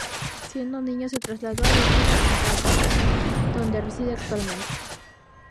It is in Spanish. Siendo niño se trasladó a vivir a Cantabria, donde reside actualmente.